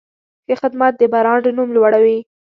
ښه خدمت د برانډ نوم لوړوي.